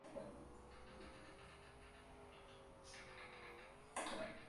Su vinculación con la política procede de familia.